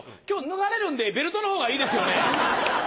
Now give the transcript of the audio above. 今日脱がれるんでベルトのほうがいいですよね？